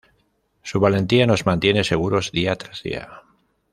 Su valentía nos mantiene seguros día tras día".